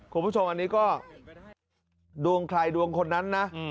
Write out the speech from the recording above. คุณผู้ชมอันนี้ก็ดวงใครดวงคนนั้นนะ